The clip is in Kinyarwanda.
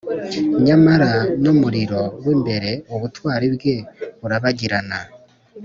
nyamara n'umuriro w'imbere ubutwari bwe burabagirana;